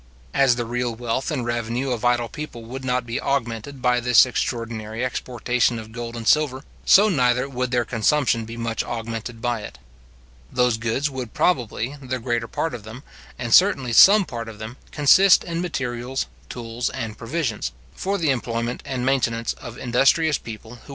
As the real wealth and revenue of idle people would not be augmented by this extraordinary exportation of gold and silver, so neither would their consumption be much augmented by it. Those goods would probably, the greater part of them, and certainly some part of them, consist in materials, tools, and provisions, for the employment and maintenance of industrious people, who would reproduce, with a profit, the full value of their consumption.